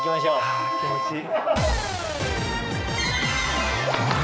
はぁ気持ちいい。